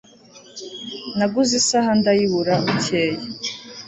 naguze isaha ndayibura bukeye